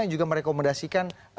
yang juga merekomendasikan